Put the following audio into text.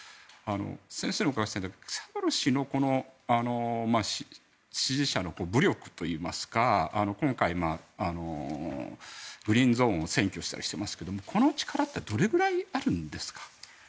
先生にお伺いしたいのはサドル師の支持者の武力といいますか今回、グリーンゾーンを占拠したりしていますがこの力ってどれぐらいあるんですか。